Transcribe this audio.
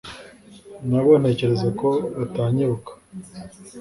nabo ntekereza ko batanyibuka